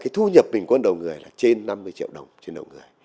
thu nhập bình quân đầu người là trên năm mươi triệu đồng trên đầu người